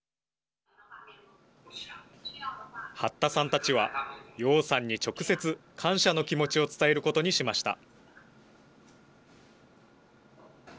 八田さんたちは楊さんに直接感謝の気持ちを伝えることにしました。